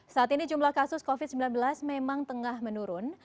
saat ini jumlah kasus covid sembilan belas memang tengah menurun